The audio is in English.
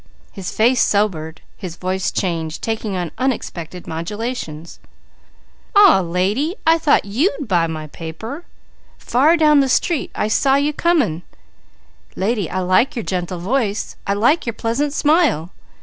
His face sobered, his voice changed, taking on unexpected modulations. "Aw lady! I thought you'd buy my paper! Far down the street I saw you coming. Lady, I like your gentle voice. I like your pleasant _smile!